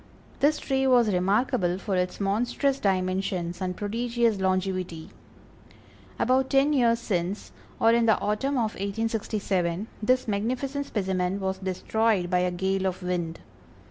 This tree was remarkable for its monstrous dimensions and prodigious longevity. About ten years since, or in the autumn of 1867, this magnificent specimen was destroyed by a gale of wind.